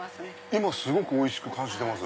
今すごくおいしく感じてます。